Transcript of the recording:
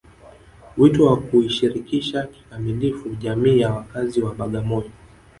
Wito wa kuishirikisha kikamilifu jamii ya wakazi wa Bagamoyo